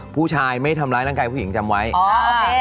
ผู้ชายไม่ทำร้ายร่างกายผู้หญิงจำไว้